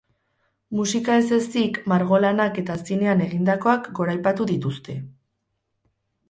Musika ez ezik, margolanak eta zinean egindakoak goraipatu dituzte.